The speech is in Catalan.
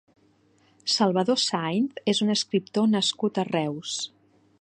Salvador Sáinz és un escriptor nascut a Reus.